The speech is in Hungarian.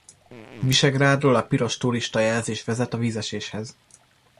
Visegrádról a piros turistajelzés vezet a vízeséshez.